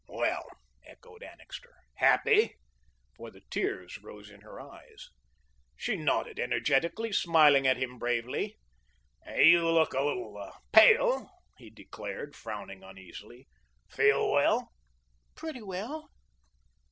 "Well," echoed Annixter, "happy?" for the tears rose in her eyes. She nodded energetically, smiling at him bravely. "You look a little pale," he declared, frowning uneasily; "feel well?" "Pretty well."